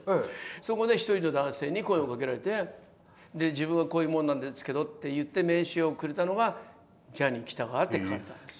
そこで１人の男性に声をかけられて「自分はこういう者なのですけど」って言って名刺をくれたのが「ジャニー喜多川」って書かれてたんです。